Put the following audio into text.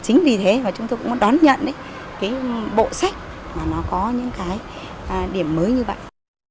chính vì thế chúng tôi cũng đón nhận bộ sách có những điểm mới như vậy